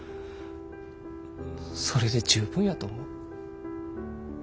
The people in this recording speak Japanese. それで十分やと思う。